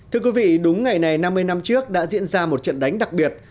thưa quý vị đúng ngày này năm mươi năm trước đã diễn ra một trận đánh đặc biệt